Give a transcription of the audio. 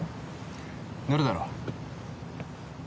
乗るだろ？